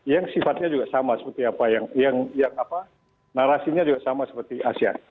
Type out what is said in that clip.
yang sifatnya juga sama seperti apa yang narasinya juga sama seperti asean